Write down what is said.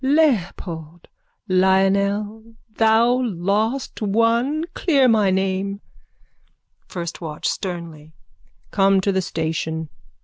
Leopold! Lionel, thou lost one! Clear my name. FIRST WATCH: (Sternly.) Come to the station.